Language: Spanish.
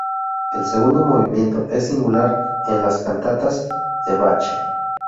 El segundo movimiento es singular en las cantatas de Bach.